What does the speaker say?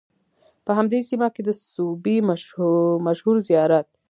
په همدې سیمه کې د سوبۍ مشهور زیارت